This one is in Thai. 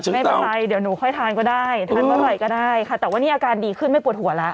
ไม่เป็นไรเดี๋ยวหนูค่อยทานก็ได้ทานเมื่อไหร่ก็ได้ค่ะแต่ว่านี่อาการดีขึ้นไม่ปวดหัวแล้ว